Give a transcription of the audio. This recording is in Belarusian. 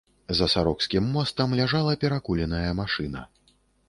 За сарокскім мостам ляжала перакуленая машына.